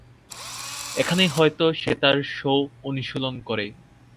এখানেই হয়তো সে তার শো অনুশীলন করে।